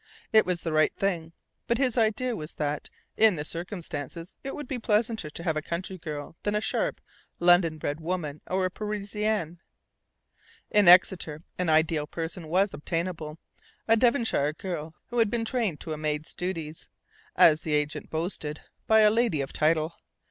It was "the right thing"; but his idea was that, in the circumstances, it would be pleasanter to have a country girl than a sharp, London bred woman or a Parisienne. In Exeter an ideal person was obtainable: a Devonshire girl who had been trained to a maid's duties (as the agent boasted) by a "lady of title."